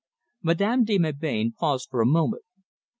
Madame de Melbain paused for a moment.